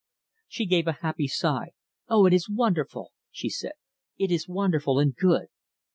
She gave a happy sigh. "Oh, it is wonderful!" she said. "It is wonderful and good!